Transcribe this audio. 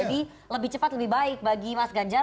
jadi lebih cepat lebih baik bagi mas ganjar